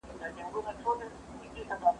ما مخکي د سبا لپاره د يادښتونه بشپړي کړې؟!